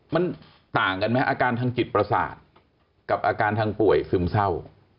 มันต่างกันไหมอาการทางจิตประสาทกับอาการทางป่วยซึมเศร้า